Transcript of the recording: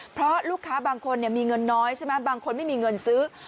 เพราะลูกค้าบางคนมีเงินน้อยใช่ไหมบางคนไม่มีเงินซื้อ